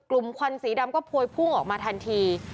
ควันสีดำก็พวยพุ่งออกมาทันที